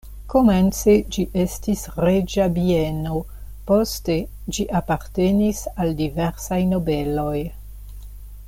Komence ĝi estis reĝa bieno, poste ĝi apartenis al diversaj nobeloj.